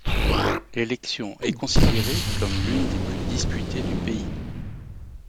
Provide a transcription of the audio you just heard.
L'élection est considérée comme l'une des plus disputées du pays.